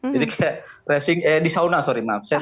jadi kayak racing di sauna sorry maaf